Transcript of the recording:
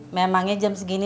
memangnya jam segini